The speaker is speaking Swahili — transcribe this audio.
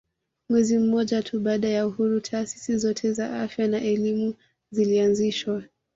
Mwezi mmoja tu baada ya uhuru taasisi zote za afya na elimu zilianzishwa